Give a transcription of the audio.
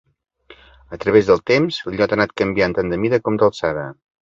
A través del temps l'illot ha anat canviant tant de mida com d'alçada.